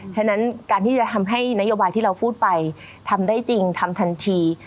ฉะนั้นการที่จะทำให้นโยบายที่เราพูดไปทำได้จริงทำทันที